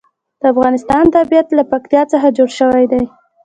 د افغانستان طبیعت له پکتیا څخه جوړ شوی دی.